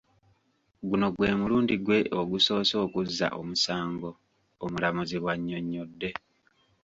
'Guno gwe mulundi gwe ogusoose okuzza omusango,” omulamuzi bw'annyonnyodde.